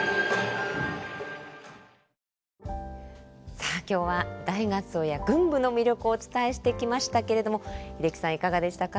さあ今日は大合奏や群舞の魅力をお伝えしてきましたけれども英樹さんいかがでしたか？